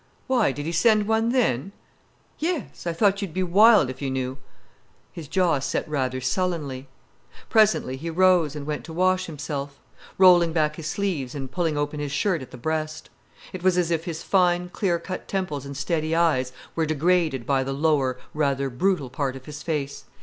"Why, did he send one then?" "Yes. I thought you'd be wild if you knew." His jaw set rather sullenly. Presently he rose, and went to wash himself, rolling back his sleeves and pulling open his shirt at the breast. It was as if his fine, clear cut temples and steady eyes were degraded by the lower, rather brutal part of his face.